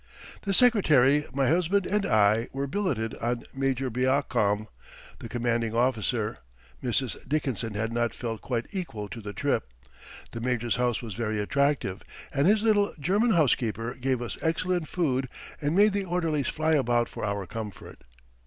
The Secretary, my husband and I were billeted on Major Beacom, the commanding officer Mrs. Dickinson had not felt quite equal to the trip. The Major's house was very attractive, and his little German housekeeper gave us excellent food and made the orderlies fly about for our comfort.